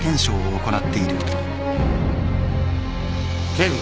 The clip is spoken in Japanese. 警部。